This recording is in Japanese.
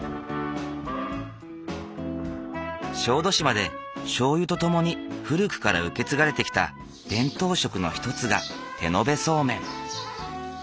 小豆島でしょうゆと共に古くから受け継がれてきた伝統食の一つが手延べそうめん。